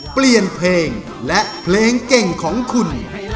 เปลี่ยนเพลงและเพลงเก่งของคุณ